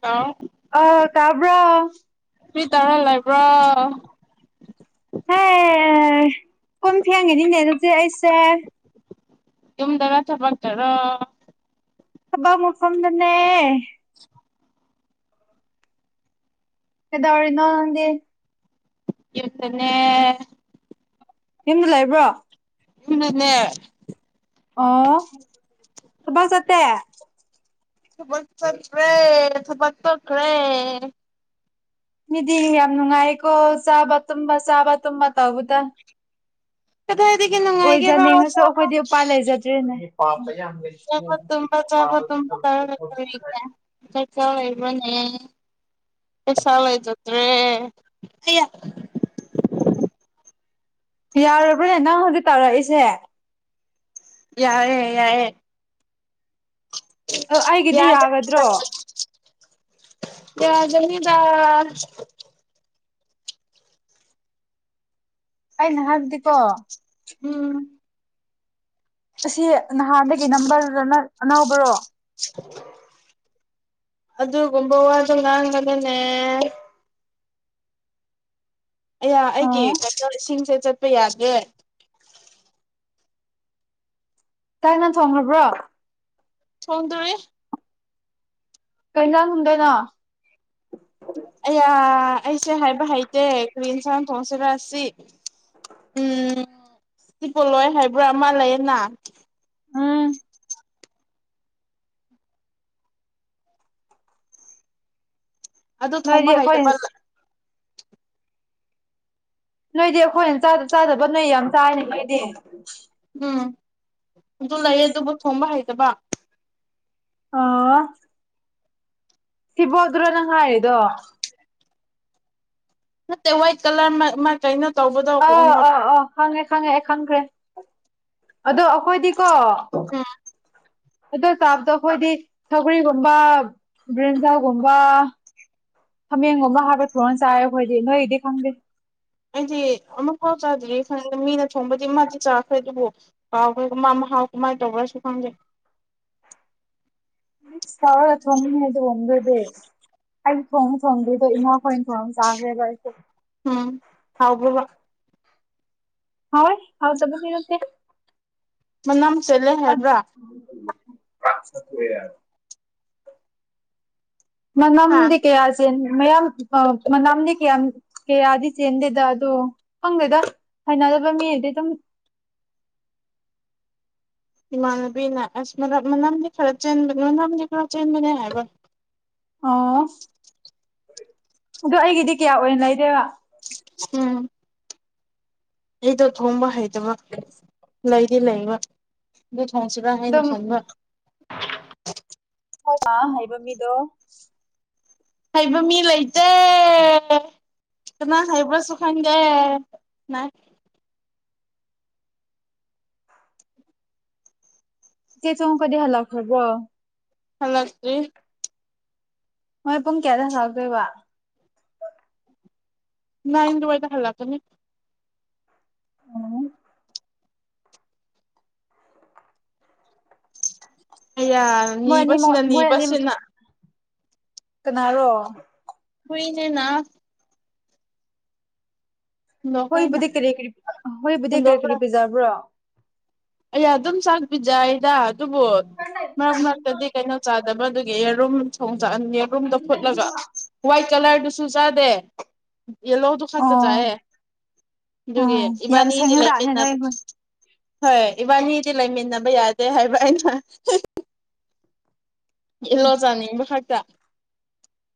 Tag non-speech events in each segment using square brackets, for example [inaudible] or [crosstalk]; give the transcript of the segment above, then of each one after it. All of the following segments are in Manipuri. ꯇꯥꯎ ꯑ ꯇꯥꯕ꯭ꯔꯥ ꯃꯤ ꯇꯥꯔꯥ ꯂꯩꯕ꯭ꯔꯣ ꯍꯦ ꯀꯣꯟ ꯐꯦꯡꯉꯤꯅꯦ ꯑꯗꯨꯗꯤ ꯑꯩꯁꯦ ꯌꯨꯝꯗꯔꯥ ꯆꯄꯥꯛꯇꯣꯏꯔꯥ ꯊꯕꯛ ꯃꯐꯝꯗꯅꯦ [unintelligible] ꯀꯗꯧꯔꯤꯅꯣ ꯅꯪꯗꯤ ꯌꯨꯝꯗꯅꯦ ꯌꯨꯝꯗ ꯂꯩꯕ꯭ꯔꯣ ꯊꯨꯅꯅꯦ ꯑꯣ ꯊꯕꯛ ꯆꯠꯇꯦ ꯊꯕꯛ ꯆꯠꯇ꯭ꯔꯦ ꯊꯕꯛ ꯇꯣꯛꯈ꯭ꯔꯦ ꯃꯤꯗꯤ ꯌꯥꯝ ꯅꯨꯡꯉꯥꯏꯀꯣ ꯆꯥꯕ ꯇꯨꯝꯕ ꯆꯥꯕ ꯇꯨꯝꯕ ꯇꯧꯕꯗ ꯀꯥꯗꯥꯏꯗꯒꯤꯅꯣ ꯑꯣꯏꯖꯅꯤꯡꯉꯁꯨ ꯑꯩꯈꯣꯏꯗꯤ ꯎꯄꯥ ꯂꯩꯖꯗ꯭ꯔꯦꯅꯦ ꯆꯥꯕ ꯇꯨꯝꯕ ꯆꯥꯕ ꯇꯨꯝꯕ ꯇꯧꯔꯒ [inaudible] ꯆꯥꯛ ꯆꯥꯔꯣꯏꯗ꯭ꯔꯣꯅꯦ ꯄꯩꯁꯥ ꯂꯩꯖꯗ꯭ꯔꯦ ꯌꯥꯔꯕ꯭ꯔꯅꯦ ꯅꯪ ꯍꯧꯖꯤꯛ ꯇꯧꯔꯛꯏꯁꯦ ꯌꯥꯏꯔꯦ ꯌꯥꯏꯌꯦ ꯑ ꯑꯩꯒꯤꯗꯤ ꯀ꯭ꯌꯥ [inaudible] ꯌꯥꯒꯗ꯭ꯔꯣ ꯌꯥꯖꯅꯤꯗ ꯑꯩꯥꯅ ꯍꯥꯏꯕꯗꯤ ꯀꯣ ꯎꯝ ꯑꯁꯤ ꯅꯍꯥꯟꯗꯒꯤ ꯅꯝꯕꯔꯔꯅ ꯑꯅꯧꯕꯔꯣ ꯑꯗꯨꯒꯨꯝꯕ ꯋꯥꯗꯣ ꯉꯥꯡꯒꯅꯨꯅꯦ ꯑꯌꯥ ꯑꯩꯒꯤ ꯑꯣ ꯀꯩꯊꯦꯜ ꯏꯁꯤꯡꯖꯦ ꯆꯠꯄ ꯌꯥꯗꯦ ꯆꯥꯛ ꯏꯟꯖꯥꯡ ꯊꯣꯡꯒ꯭ꯔꯕ꯭ꯔꯣ ꯊꯣꯡꯗꯨꯔꯤ ꯀꯩ ꯖꯥꯡ ꯍꯨꯝꯗꯣꯏꯅꯣ ꯑꯌꯥ ꯑꯩꯁꯦ ꯍꯥꯏꯕ ꯍꯩꯇꯦ ꯀ꯭ꯔꯤ ꯏꯟꯁꯥꯡ ꯊꯣꯡꯁꯤꯔ ꯑꯁꯤ ꯎꯝ ꯁꯤ ꯄꯣꯂꯣꯏ ꯍꯥꯏꯕ꯭ꯔꯥ ꯑꯃꯥ ꯂꯩꯌꯦꯅ ꯎꯝ ꯑꯗꯨ ꯅꯣꯏꯗꯤ ꯊꯣꯡꯕ ꯑꯩꯈꯣꯏ ꯍꯩꯇꯄꯜꯂ ꯅꯣꯏꯗꯤ ꯑꯈꯣꯏꯅ ꯆꯥꯗ ꯆꯥꯗꯕ ꯅꯣꯏ ꯌꯥꯝ ꯆꯥꯏꯅꯦ ꯀꯦꯗꯤ ꯎꯝ ꯑꯗꯨ ꯂꯩꯌꯦ ꯑꯗꯨꯕꯨ ꯊꯣꯡꯕ ꯍꯩꯇꯕ ꯑꯣꯋꯣ ꯁꯤꯕꯣꯠ ꯇꯨꯔꯣ ꯅꯪ ꯍꯥꯏꯔꯤꯗꯣ ꯅꯠꯇꯦ ꯋꯥꯏꯠ ꯀꯂꯔ ꯃꯥ ꯃꯥ ꯀꯩꯅꯣ ꯇꯧꯕꯗꯣ ꯑꯥ ꯀꯣꯡꯕ ꯑꯥ ꯑꯥ ꯈꯪꯉꯦ ꯈꯪꯉꯦ ꯑꯩ ꯈꯪꯈ꯭ꯔꯦ ꯑꯗꯣ ꯑꯈꯣꯏꯗꯤꯀꯣ ꯑꯗꯨ ꯇꯥꯕꯗꯣ ꯑꯈꯣꯏꯗꯤ ꯁꯧꯒ꯭ꯔꯤꯒꯨꯝꯕ ꯕ꯭ꯔꯤꯟꯖꯥꯜꯒꯨꯝꯕ ꯍꯥꯃꯦꯡꯒꯨꯝꯕ ꯍꯥꯞꯔꯒ ꯊꯣꯡꯉ ꯆꯥꯏꯌꯦ ꯑꯈꯣꯏꯗꯤ ꯅꯣꯏꯒꯤꯗꯤ ꯈꯪꯗꯦ ꯑꯩꯗꯤ ꯑꯃꯨꯛꯐꯥꯎ ꯆꯥꯗ꯭ꯔꯤ ꯈꯪꯗꯦ ꯃꯤꯅ ꯊꯣꯡꯕꯗꯤ ꯃꯥꯗꯤ ꯆꯥꯈ꯭ꯔꯦ ꯑꯗꯨꯕꯨ ꯀꯥꯎꯈ꯭ꯔꯦ ꯀꯃꯥ ꯃꯍꯥꯎ ꯀꯃꯥꯏꯅ ꯇꯧꯕ꯭ꯔꯥꯁꯨ ꯈꯪꯗꯦ ꯏꯁ ꯇꯥꯎꯔꯒ ꯊꯣꯡꯕꯅꯤ ꯑꯗꯨꯒꯨꯝꯕꯗꯤ ꯑꯩ ꯊꯣꯡ ꯊꯣꯡꯗ꯭ꯔꯤꯗꯣ ꯏꯃꯥꯈꯣꯏꯟ ꯊꯣꯡꯉ ꯆꯥꯒ꯭ꯔꯦꯕ ꯑꯩꯁꯨ ꯎꯝ ꯍꯥꯎꯕ꯭ꯔꯕ ꯍꯥꯎꯋꯦ ꯍꯥꯎꯇꯕꯗꯤ ꯅꯠꯇꯦ ꯃꯅꯝ ꯆꯦꯜꯂꯦ ꯍꯥꯏꯕ꯭ꯔꯥ [inaudible] ꯍꯥ ꯃꯅꯝꯗꯤ ꯀꯌꯥ ꯆꯦꯟ ꯃꯌꯥꯝ ꯑ ꯃꯅꯥꯝꯗꯤ ꯀꯌꯥꯝ ꯀꯌꯥꯗꯤ ꯆꯦꯟꯗꯦꯗ ꯑꯗꯣ ꯈꯪꯗꯦꯗ ꯍꯩꯅꯗꯕ ꯃꯤꯅꯗꯤ ꯑꯗꯨꯝ ꯏꯃꯥꯟꯅꯕꯤꯅ ꯑꯁ ꯃꯅ ꯃꯅꯝꯗꯤ ꯈꯔ ꯆꯦꯟꯕ ꯃꯅꯝꯗꯤ ꯈꯔ ꯆꯦꯟꯕꯅꯦ ꯍꯥꯏꯕ ꯑꯣꯋꯣ ꯑꯗꯣ ꯑꯩꯒꯤꯗꯤ ꯀꯌꯥ ꯑꯣꯏꯅ ꯂꯩꯗꯦꯋ ꯎꯝ ꯑꯩꯗꯣ ꯊꯣꯡꯕ ꯍꯩꯇꯕ ꯂꯩꯗꯤ ꯂꯩꯕ ꯗꯨ ꯊꯣꯡꯁꯤꯔ ꯍꯥꯏꯅ ꯑꯗꯨꯝ ꯈꯟꯕ ꯊꯣꯡꯕ ꯍꯩꯕ ꯃꯤꯗꯣ ꯍꯩꯕ ꯃꯤ ꯂꯩꯇꯦ ꯀꯅꯥ ꯍꯩꯕꯔꯁꯨ ꯈꯪꯗꯦ ꯅ ꯆꯦ ꯆꯧ ꯈꯣꯏꯗꯤ ꯍꯥꯂꯛꯈꯔꯕꯣ ꯍꯜꯂꯛꯇ꯭ꯔꯤ ꯃꯣꯏ ꯄꯨꯡ ꯀꯌꯥꯗ ꯍꯜꯂꯛꯇꯣꯏꯕ ꯅꯥꯏꯟ ꯗꯨꯋꯥꯥꯏꯗ ꯍꯜꯂꯛꯀꯅꯤ ꯎꯝ ꯑꯌꯥ ꯃꯣꯏ ꯑꯅꯤꯃꯛ ꯅꯤꯕꯁꯤꯅ ꯃꯣꯏ ꯑꯅꯤ ꯅꯤꯕꯁꯤꯅ ꯀꯅꯥꯔꯣ ꯍꯨꯏꯅꯦꯅ ꯍꯨꯟꯗꯣꯛꯈ꯭ꯔꯦ ꯑꯩꯅ ꯍꯨꯏꯕꯨꯗꯤ ꯀꯔꯤ ꯀꯔꯤ ꯍꯨꯏꯕꯨꯗꯤ ꯀꯔꯤ ꯀꯔꯤ ꯄꯤꯖꯕ꯭ꯔꯣ ꯑꯩ ꯑꯗꯨꯝ ꯆꯥꯛ ꯄꯤꯖꯩꯗ ꯑꯗꯨꯕꯨ ꯃꯔꯛ ꯃꯔꯛꯇꯗꯤ ꯀꯩꯅꯣ ꯆꯥꯗꯕ ꯑꯗꯨꯒꯤ ꯌꯦꯔꯨꯝ ꯊꯣꯡ ꯆꯥ ꯌꯦꯔꯨꯝꯗꯣ ꯐꯨꯠꯂꯒ ꯋꯥꯏꯠ ꯀꯂꯔꯗꯨꯁꯨ ꯆꯥꯗꯦ ꯌꯦꯂꯣꯗꯨ ꯈꯛꯇ ꯑꯣ ꯆꯥꯏꯌꯦ ꯑꯗꯨꯒꯤ ꯑꯣ ꯌꯥꯝ ꯏꯕꯥꯏꯅꯤꯗꯤ ꯁꯦꯡꯉꯖꯥꯠꯅꯦ ꯂꯩꯃꯤꯟꯅ ꯅꯣꯏ ꯍꯨꯏ ꯍꯣꯏ ꯏꯕꯥꯏꯅꯤꯗꯤ ꯂꯩꯃꯤꯟꯅꯕ ꯌꯥꯗꯦ ꯍꯥꯏꯕ ꯑꯩꯅ ꯌꯦꯜꯂꯣ ꯆꯥꯅꯤꯡꯕ ꯈꯛꯇ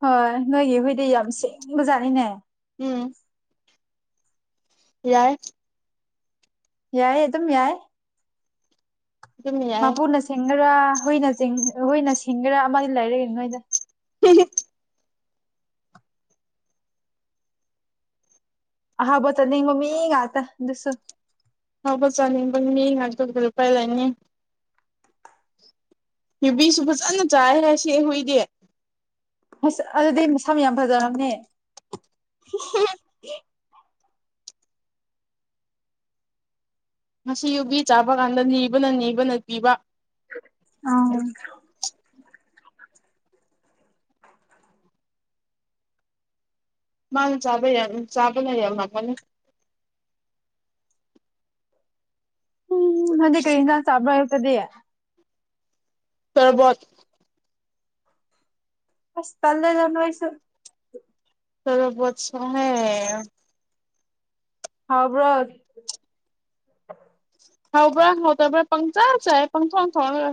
ꯍꯣꯏ ꯅꯣꯏꯒꯤ ꯍꯨꯏꯗꯤ ꯌꯥꯝ ꯁꯦꯡꯕ ꯖꯥꯠꯅꯤꯅꯦ ꯎꯝ ꯌꯥꯏ ꯌꯥꯏ ꯑꯗꯨꯝ ꯌꯥꯏ ꯑꯗꯨꯝ ꯌꯥꯏ ꯃꯄꯨꯅ ꯁꯤꯡꯒꯦꯔꯥ ꯍꯨꯏꯅ ꯆꯤꯡ ꯍꯨꯏꯅ ꯁꯤꯡꯒꯦꯔꯥ ꯑꯃꯗꯤ ꯂꯩꯔꯦ ꯅꯣꯏꯗ ꯑꯍꯥꯎꯕ ꯆꯥꯅꯤꯡꯕ ꯃꯤ ꯉꯥꯛꯇ ꯑꯗꯨꯁꯨ ꯑꯍꯥꯎꯕ ꯆꯥꯅꯤꯡꯕ ꯃꯤ ꯉꯥꯛꯇ ꯂꯨꯄꯥꯏ ꯂꯩꯅꯤ ꯌꯨꯕꯤꯁꯨ ꯐꯖꯅ ꯆꯥꯏꯍꯦ ꯁꯤ ꯍꯨꯏꯗꯤ꯫ ꯑꯁ ꯑꯗꯨꯗꯤ ꯃꯁꯝ ꯌꯥꯝ ꯐꯖꯔꯝꯅꯤ꯫ [unintelligible] ꯉꯁꯤ ꯌꯨꯕꯤ ꯆꯥꯕ ꯀꯥꯟꯗ ꯅꯤꯕꯅ ꯅꯤꯕꯅ ꯄꯤꯕ꯫ ꯑꯥ꯫ ꯃꯥꯅ ꯆꯥꯕ ꯆꯥꯕꯅ ꯌꯥꯝꯃꯝꯒꯅꯤ꯫ ꯎꯝ ꯅꯪꯗꯤ ꯀꯔꯤ ꯍꯦꯟꯖꯡ ꯆꯥꯕ꯭ꯔ ꯑꯌꯨꯛꯇꯗꯤ꯫ ꯇꯔꯣꯕꯣꯠ꯫ ꯑꯁ ꯇꯜꯂꯦꯗ ꯅꯣꯏꯁꯨ꯫ ꯇꯣꯔꯣꯕꯣꯠ ꯁꯨ [unintelligible] ꯍꯥꯎꯕ꯭ꯔꯣ꯫ ꯍꯥꯎꯕ ꯍꯥꯎꯇꯥꯕꯔꯥ ꯄꯪꯆꯥ ꯆꯥꯏ ꯄꯪꯊꯣꯡ ꯊꯣꯡꯉꯒ꯫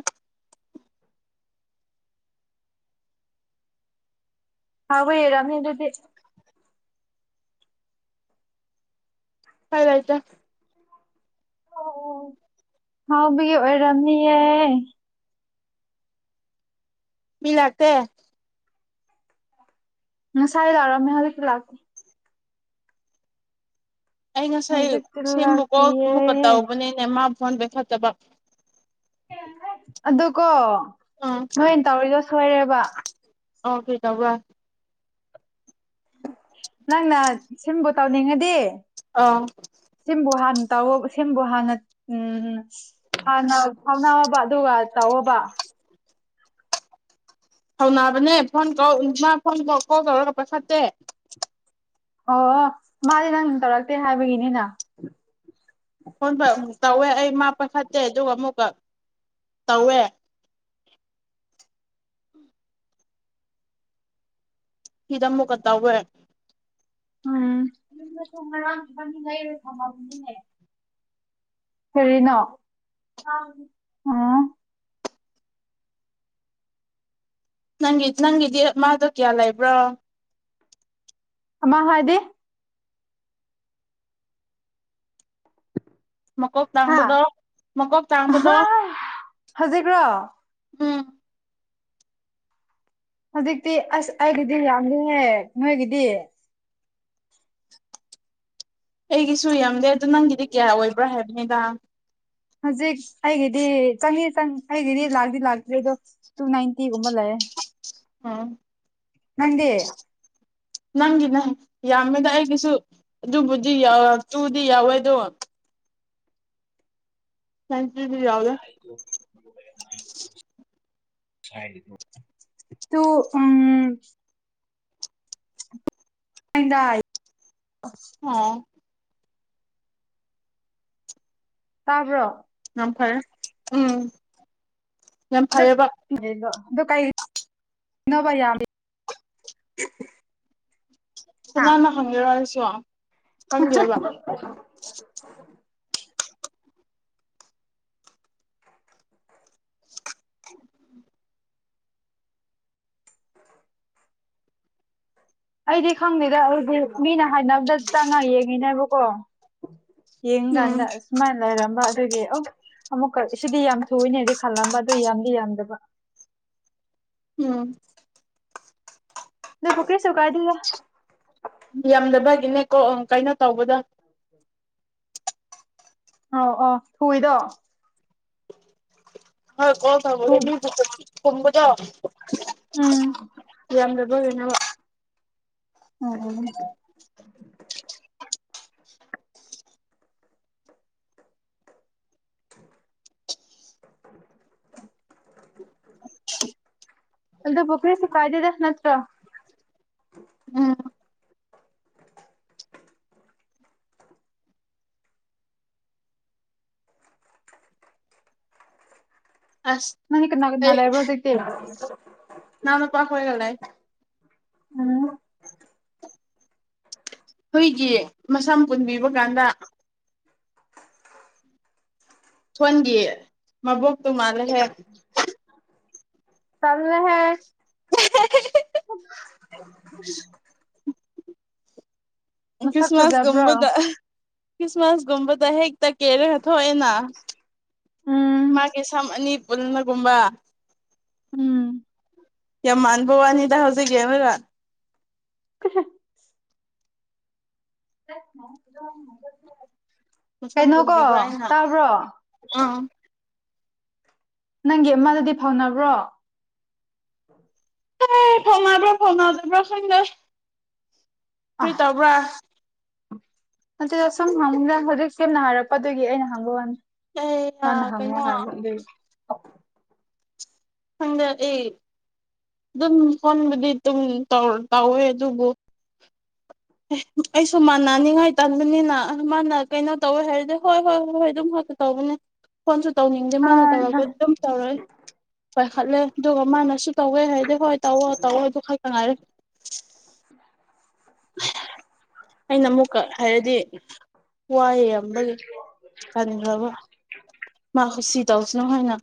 ꯍꯥꯎꯕꯩ ꯑꯣꯏꯔꯝ ꯅꯤ ꯑꯗꯨꯗꯤ꯫ [unintelligible] ꯑꯣ ꯍꯥꯎꯕꯒꯤ ꯑꯣꯏꯔꯝꯅꯤꯌꯦ꯫ ꯃꯤ ꯂꯥꯛꯇꯦ꯫ ꯉꯁꯥꯏ ꯂꯥꯛꯔꯝꯃꯦ ꯍꯧꯖꯤꯛꯇꯤ ꯂꯥꯛꯇꯦ꯫ ꯑꯩ ꯉꯁꯥꯏ ꯍꯧꯖꯤꯛꯇꯤ ꯁꯤꯃꯨꯛꯀꯣ ꯂꯥꯛꯇꯤꯌꯦ ꯑꯃꯨꯛꯀ ꯇꯧꯕꯅꯤꯅꯦ ꯃꯥ ꯐꯣꯟ ꯄꯥꯏꯈꯠꯇꯕ꯫ ꯑꯗꯨꯀꯣ ꯎꯝ ꯅꯣꯏꯅ ꯇꯧꯔꯤꯗꯣ ꯁꯣꯏꯔꯦꯕ꯫ ꯑꯣ ꯀꯔꯤ ꯇꯧꯕꯔꯥ ꯅꯪꯅ ꯁꯤꯝꯕꯨ ꯇꯧꯅꯤꯡꯉꯗꯤ꯫ ꯑꯥ꯫ ꯁꯤꯝꯕꯨ ꯍꯥꯟꯅ ꯇꯧꯌꯣ ꯁꯤꯝꯕꯨ ꯍꯥꯟꯅ ꯎꯝ꯫ ꯍꯥꯟꯅ ꯈꯪꯅꯧꯕ ꯑꯗꯨꯒ ꯇꯧ ꯑꯣꯕ ꯊꯧꯅꯕꯅꯦ ꯐꯣꯟ ꯇꯧ ꯃꯥ ꯐꯣꯟ [unintelligible] ꯀꯣꯜ ꯇꯧꯔꯒ ꯄꯥꯏꯈꯠꯇꯦ ꯑꯣ ꯃꯥꯗꯤ ꯅꯪ ꯇꯧꯔꯛꯇꯦ ꯍꯥꯏꯕꯒꯤꯅꯤꯅ ꯐꯣꯟ [unintelligible] ꯇꯧꯋꯦ ꯑꯩ ꯃꯥ ꯄꯥꯏꯈꯠꯇꯦ ꯑꯗꯨꯒ ꯑꯃꯨꯛꯀ ꯇꯧꯋꯦ ꯁꯤꯗ ꯑꯃꯨꯛꯀ ꯇꯧꯋꯦ ꯎꯝ ꯌꯨꯝꯗꯁꯨ ꯉꯔꯥꯡ [unintelligible] ꯊꯝꯃꯕꯅꯤꯅꯦ ꯀꯔꯤꯅꯣ ꯑꯣ ꯅꯪꯒꯤ ꯅꯪꯒꯤꯗꯤ [unintelligible] ꯀꯌꯥ ꯂꯩꯕ꯭ꯔꯣ ꯑꯃ ꯍꯥꯏꯗꯤ ꯃꯀꯣꯛ ꯍꯥ ꯇꯥꯡꯕꯗꯣ ꯃꯀꯣꯛ ꯇꯥꯡꯕꯗꯣ ꯍꯧꯖꯤꯛꯔꯣ ꯎꯝ ꯍꯧꯖꯤꯛꯇꯤ ꯑꯁ ꯑꯩꯒꯤꯗꯤ ꯌꯥꯝꯗꯦꯍꯦ ꯅꯣꯏꯒꯤꯗꯤ ꯑꯩꯒꯤꯁꯨ ꯌꯥꯝꯗꯦ ꯑꯗꯨ ꯅꯪꯒꯤꯗꯤ ꯀꯌꯥ ꯑꯣꯏꯕ꯭ꯔꯥ ꯍꯥꯏꯕꯅꯤꯗ ꯍꯧꯖꯤꯛ ꯑꯩꯒꯤꯗꯤ ꯆꯅꯤ ꯆꯪ ꯑꯩꯒꯤꯗꯤ ꯂꯥꯛꯇꯤ ꯂꯥꯛꯇ꯭ꯔꯤ ꯑꯗꯨ ꯇꯨ ꯅꯥꯏꯟꯇꯤꯒꯨꯝꯕ ꯂꯩ [unintelligible] ꯅꯪꯗꯤ ꯅꯪꯒꯤꯅ ꯌꯥꯝꯃꯤꯗ ꯑꯩꯒꯤꯁꯨ ꯑꯗꯨꯕꯨꯗꯤ [unintelligible] ꯇꯨꯗꯤ ꯌꯧꯋꯦ ꯑꯗꯨ ꯅꯥꯏꯟꯇꯤꯗꯤ ꯌꯧꯗꯦ [unintelligible] ꯇꯨ ꯎꯝ [unintelligible] [unintelligible] ꯇꯥꯕ꯭ꯔꯣ ꯌꯥꯝ ꯐꯔꯦ ꯎꯝ ꯌꯥꯝ ꯐꯩꯌꯦꯕ [unintelligible] ꯗꯣ ꯀꯩ [unintelligible] ꯅꯣꯕ ꯌꯥꯃꯤ [inaudible] ꯀꯅꯥꯅ ꯍꯪꯒꯦꯔꯣ [unintelligible] ꯀꯪꯒꯦꯕ [inaudible] [inaudible] [inaudible] [inaudible] ꯑꯩꯗꯤ ꯈꯪꯗꯦꯗ ꯑꯗꯨ ꯃꯤꯅ ꯍꯥꯏꯅꯕꯗ ꯆꯪꯉꯥ ꯌꯦꯡꯉꯤꯅꯦꯕꯀꯣ ꯌꯦꯡꯉ ꯎꯝ ꯀꯥꯟꯗ ꯑꯁꯨꯃꯥꯏꯟ ꯂꯩꯔꯝꯕ ꯑꯗꯨꯒꯤ ꯑꯣ ꯑꯃꯨꯛꯀ ꯁꯤꯗꯤ ꯌꯥꯝ [unintelligible] ꯈꯜꯂꯝꯕ ꯑꯗꯨ ꯌꯥꯝꯗꯤ ꯌꯥꯝꯗꯕ ꯎꯝ ꯑꯗꯨꯕꯨ ꯀꯔꯤꯁꯨ ꯀꯥꯏꯗꯦꯗ ꯌꯥꯝꯗꯕꯒꯤꯅꯦꯀꯣ ꯀꯩꯅꯣ ꯇꯧꯕꯗꯣ [inaudible] ꯑꯧ ꯑꯧ ꯊꯨꯏꯗꯣ ꯍꯣꯏ ꯀꯣꯜ ꯊꯨ ꯇꯧꯕꯗ ꯃꯤꯕꯨ [unintelligible] ꯎꯝ ꯌꯥꯝꯗꯕꯒꯤꯅꯦꯕ ꯎꯝ [inaudible] ꯑꯗꯨꯕꯨ ꯀꯔꯤꯁꯨ ꯀꯥꯏꯗꯦꯗ ꯅꯠꯇ꯭ꯔꯣ ꯎꯝ ꯑꯁ ꯅꯪꯗꯤ ꯀꯅꯥ ꯀꯅꯥ ꯑꯩ ꯂꯩꯕ꯭ꯔꯣ ꯍꯧꯖꯤꯛꯇꯤ ꯏꯅꯥꯎꯅꯨꯄꯥꯈꯣꯏꯒ ꯂꯩ ꯎꯝ ꯍꯨꯏꯒꯤ ꯃꯁꯝ ꯄꯨꯟꯕꯤꯕ ꯀꯥꯟꯗ ꯊꯣꯟꯒꯤ ꯃꯕꯣꯛꯇꯨ ꯃꯥꯜꯂꯦ ꯇꯜꯂꯦꯍꯦ [inaudible] ꯃꯁꯛ ꯐꯖꯕ꯭ꯔꯣ ꯈ꯭ꯔꯤꯁꯃꯥꯁꯒꯨꯝꯕꯗ ꯈ꯭ꯔꯤꯁꯃꯥꯁꯒꯨꯝꯕꯗ ꯍꯦꯛꯇ ꯀꯦꯔꯒ ꯊꯣꯛꯑꯦꯅ꯫ ꯎꯝ ꯃꯥꯒꯤ ꯁꯝ ꯑꯅꯤ ꯄꯨꯟꯕꯒꯨꯝꯕ꯫ ꯎꯝ ꯌꯥꯝꯃꯥꯟꯕ ꯋꯥꯅꯤꯗ ꯍꯧꯖꯤꯛ ꯌꯦꯡꯂꯒ ꯫ [inaudible] ꯃꯁꯝ ꯀꯩꯅꯣ ꯀꯣ ꯄꯨꯟꯕꯤꯕ ꯑꯩꯅ ꯇꯥꯕ꯭ꯔꯣ꯫ ꯑꯥ ꯅꯪꯒꯤ ꯑꯃꯗꯨꯗꯤ ꯐꯥꯎꯅꯕ꯭ꯔꯣ ꯍꯦ ꯐꯥꯎꯅꯥꯕ꯭ꯔ ꯐꯥꯎꯅꯗꯕ꯭ꯔ ꯈꯪꯗꯦ ꯀꯔ꯭ꯤ ꯑꯥ ꯇꯧꯕ꯭ꯔꯥ꯫ ꯅꯠꯇꯦꯗ ꯁꯨꯝ ꯍꯪꯕꯅꯤꯗ ꯍꯧꯖꯤꯛ ꯆꯦꯝꯅ ꯍꯥꯏꯔꯛꯄ ꯑꯗꯨꯒꯤ ꯑꯩꯅ ꯍꯪꯕ ꯋꯥꯅꯤ꯫ ꯑꯩ ꯃꯥꯅ ꯍꯪꯉꯣ ꯀꯩꯅꯣ ꯍꯥꯏꯕ ꯑꯗꯨꯒꯤ꯫ ꯈꯪꯗꯦ ꯑꯩ ꯑꯗꯨꯝ ꯐꯣꯟꯕꯨꯗꯤ ꯗꯨꯝ ꯇꯧꯔ ꯇꯧꯋꯦ ꯑꯗꯨꯕꯨ ꯑꯦ ꯑꯩꯁꯨ ꯃꯥꯟꯅꯅꯤꯡꯉꯥꯏ ꯇꯥꯟꯕꯅꯤꯅ ꯃꯥꯅ ꯀꯩꯅꯣ ꯇꯧꯋꯦ ꯍꯥꯏꯔꯗꯤ ꯍꯣꯏ ꯍꯣꯏ ꯍꯣꯏ ꯍꯣꯏ ꯑꯗꯨꯝ ꯉꯥꯛꯇ ꯇꯧꯕꯅ ꯐꯣꯟꯁꯨ ꯇꯧꯅꯤꯡꯗꯦ ꯃꯥꯅ ꯇꯧꯔꯛꯄꯗꯤ ꯑꯗꯨꯝ ꯇꯧꯔꯛꯑꯦ ꯄꯥꯏꯈꯠꯂꯦ ꯑꯗꯨꯒ ꯃꯥꯅꯁꯨ ꯇꯧꯋꯦ ꯍꯥꯏꯗꯤ ꯍꯣꯏ ꯇꯧꯑꯣ ꯇꯧꯑꯣ ꯑꯗꯨ ꯈꯔꯇ ꯉꯥꯏꯔꯦ [inaudible] ꯑꯩꯅ ꯃꯨꯛꯀ ꯍꯥꯏꯔꯗꯤ ꯋꯥꯏꯌꯦꯕ ꯕꯒꯤ ꯇꯟꯈ꯭ꯔꯕ ꯃꯥ ꯀꯨꯁꯤ ꯇꯧꯁꯥꯅꯨ ꯍꯥꯏꯅ꯫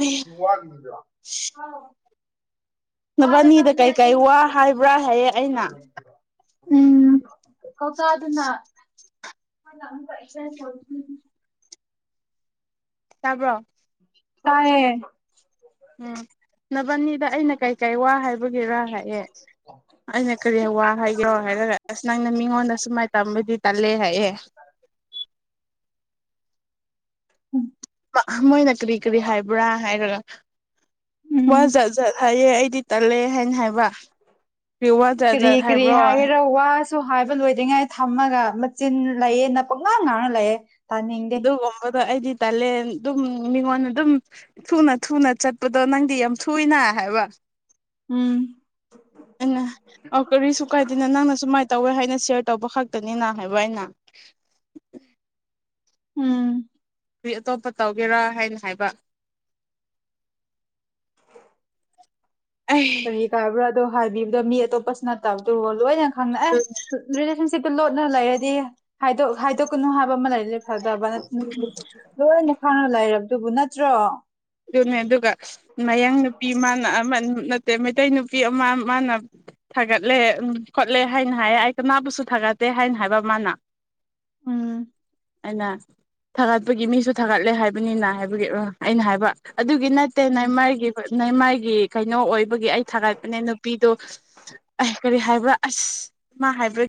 ꯔꯤ [inaudible] ꯅꯕꯥꯅꯤꯗ ꯀꯩꯀꯩ ꯋꯥ ꯍꯥꯏꯕ꯭ꯔꯥ ꯍꯥꯏꯌꯦ ꯑꯩꯅ꯫ ꯎꯝ ꯀꯧꯀꯥꯗꯨꯅ [unintelligible] ꯇꯥꯕ꯭ꯔꯣ ꯇꯥꯏꯌꯦ ꯎꯝ ꯅꯕꯥꯅꯤꯗ ꯑꯩꯅ ꯀꯩꯀꯩ ꯋꯥ ꯍꯥꯏꯕꯒꯤꯔꯥ ꯍꯥꯏꯌꯦ ꯑꯩꯅ ꯀꯔꯤ ꯋꯥ ꯍꯥꯏꯒꯦꯔꯣ ꯍꯥꯏꯔꯒ ꯑꯁ ꯅꯪꯅ ꯃꯤꯉꯣꯟꯗ ꯁꯨꯃꯥꯏꯅ ꯇꯝꯔꯗꯤ ꯇꯜꯂꯦ ꯍꯥꯏꯌꯦ꯫ ꯃꯣꯏꯅ ꯀꯔ꯭ꯤ ꯀꯔ꯭ꯤ ꯍꯥꯏꯕ꯭ꯔꯥ ꯍꯥꯏꯔꯒ ꯋꯥ ꯎꯝ ꯖꯥꯥꯠꯖꯥꯠ ꯐꯩꯌꯦ ꯑꯩꯗꯤ ꯇꯜꯂꯦ ꯍꯥꯏꯅ ꯍꯥꯏꯕ꯫ ꯀꯔꯤ ꯋꯥ ꯏꯁ ꯖꯥꯠ ꯀ꯭ꯔꯤ ꯖꯥꯠ ꯀ꯭ꯔꯤ ꯍꯥꯏꯕ꯭ꯔꯣ ꯍꯥꯏꯔꯦꯔ ꯋꯥꯁ ꯁꯨ ꯍꯥꯏꯕ ꯂꯣꯏꯗ꯭ꯔꯤꯉꯩ ꯊꯝꯃꯒ ꯃꯆꯤꯟ ꯂꯩꯌꯦꯅ ꯄꯡꯉꯥꯡ ꯉꯥꯡꯉ ꯂꯩꯌꯦ ꯇꯥꯅꯤꯡꯗꯦ ꯑꯗꯨꯒꯨꯝꯕꯗꯣ ꯑꯩꯗꯤ ꯇꯥꯂꯦꯟ ꯑꯗꯨꯝ ꯃꯤꯉꯣꯟꯗ ꯑꯗꯨꯝ ꯊꯨꯅ ꯊꯨꯅ ꯆꯠꯄꯗꯣ ꯅꯪꯗꯤ ꯌꯥꯝ ꯊꯨꯏꯅ ꯍꯥꯏꯕ ꯎꯝ [inaudible] ꯑꯩꯅ ꯑꯣ ꯀꯔꯤꯁꯨ ꯀꯥꯏꯗꯦꯅ ꯅꯪꯅ ꯁꯨꯃꯥꯏꯅ ꯇꯧꯋꯦ ꯍꯥꯏꯅ ꯁꯤꯌꯔ ꯇꯧꯕ ꯈꯛꯇꯅꯤꯅ ꯍꯥꯏꯕ ꯑꯩꯅ ꯎꯝ ꯀꯔ꯭ꯤ ꯑꯇꯣꯞꯄ ꯇꯧꯒꯦꯔꯥ ꯍꯥꯏꯅ ꯍꯥꯏꯕ꯫ ꯀꯔꯤ ꯑꯩ ꯀꯥꯏꯕ꯭ꯔꯣ ꯑꯗꯣ ꯍꯥꯏꯕꯤꯕꯗꯣ ꯃꯤ ꯑꯇꯣꯞꯄꯁꯨ ꯅꯠꯇꯕꯗꯨꯔꯣ ꯂꯣꯏꯅ ꯈꯪꯅ ꯑꯦ ꯔꯤꯂꯦꯁꯟꯁꯤꯞꯇꯨ ꯂꯣꯠꯅ ꯂꯩꯔꯗꯤ ꯍꯥꯏꯗꯣꯛ ꯍꯥꯏꯗꯣꯛꯀꯅꯨ ꯍꯥꯏꯕ ꯑꯃ ꯂꯩꯔꯗꯤ ꯐꯗꯕ ꯅꯠ ꯂꯣꯏꯅ ꯈꯪꯅ ꯂꯩꯥꯏꯔꯕꯗꯨꯕꯨ ꯅꯠꯇ꯭ꯔꯣ꯫ ꯑꯗꯨꯅꯦ ꯑꯗꯨꯒ ꯃꯌꯥꯡ ꯅꯨꯄꯤ ꯃꯥꯅ ꯑꯃ ꯅꯠꯇꯦ ꯃꯩꯇꯩ ꯅꯨꯄꯤ ꯑꯃ ꯃꯥꯅ ꯊꯥꯒꯠꯂꯦ ꯎꯝ ꯈꯣꯠꯂꯦ ꯍꯥꯏꯅ ꯍꯥꯏꯌꯦ ꯑꯩ ꯀꯅꯥꯕꯨꯁꯨ ꯊꯥꯒꯠꯠꯇꯦ ꯍꯥꯏꯅ ꯍꯥꯏꯕ ꯃꯥꯅ ꯎꯝ ꯑꯩꯅ ꯊꯥꯒꯠꯄꯒꯤ ꯃꯤꯁꯨ ꯊꯥꯒꯠꯂꯦ ꯍꯥꯏꯕꯅꯤꯅ ꯍꯥꯏꯕꯒꯤ ꯑꯩꯅ ꯍꯥꯏꯕ ꯑꯗꯨꯒꯤ ꯅꯠꯇꯦ ꯎꯝ ꯅꯏꯃꯥꯏꯒꯤ ꯅꯏꯃꯥꯏꯒꯤ ꯀꯩꯅꯣ ꯑꯣꯏꯕꯒꯤ ꯑꯩ ꯊꯥꯒꯠꯄꯅꯦ ꯅꯨꯄꯤꯗꯣ ꯑ ꯀꯔꯤ ꯍꯥꯏꯕ꯭ꯔꯥ ꯑꯁ ꯃꯥ ꯍꯥꯏꯕ꯭ꯔꯥ